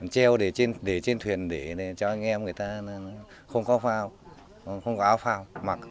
treo để trên thuyền để cho anh em người ta không có phao không có áo phao mặc